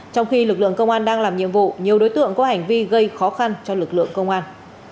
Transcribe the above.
trong khi lực lượng công an đang làm nhiệm vụ nhiều đối tượng có hành vi gây khó khăn cho lực lượng công an